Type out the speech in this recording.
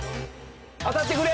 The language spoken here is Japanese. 当たってくれ。